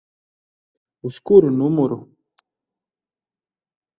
Uz kuru numuru?